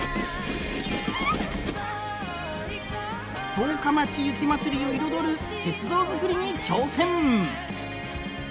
十日町雪まつりを彩る雪像作りに挑戦！